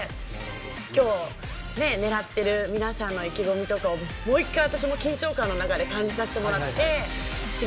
今日狙ってる皆さんの意気込みとかをもう一回私も緊張感の中で感じさせてもらって。